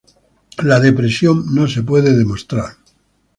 La depresión no se puede demostrar.